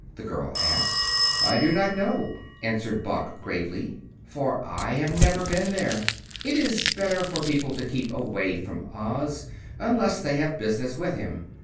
the girl asked. "I do not know," answered Boq gravely, "for I have never been there. It is better for people to keep away from Oz, unless they have business with him.